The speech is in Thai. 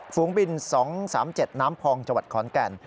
ฝูงบิน๒๓๗น้ำพองจขอนแก่น